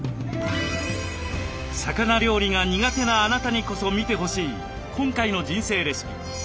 魚料理が苦手なあなたにこそ見てほしい今回の「人生レシピ」。